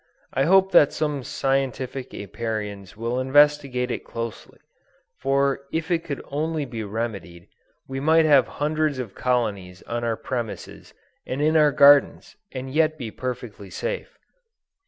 I hope that some scientific Apiarians will investigate it closely, for if it could only be remedied, we might have hundreds of colonies on our premises and in our gardens, and yet be perfectly safe.